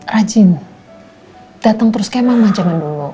rajin datang terus ke mama jangan dulu